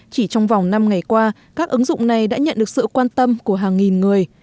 chỉ trong vòng năm ngày qua các ứng dụng này đã nhận được sự quan tâm của hàng nghìn người